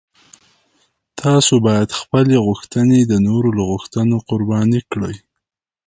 تاسو باید خپلې غوښتنې د نورو له غوښتنو قرباني کړئ.